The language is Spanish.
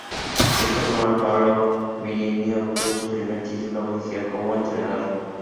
De esta forma Pablo Marini obtuvo su primer título oficial como entrenador.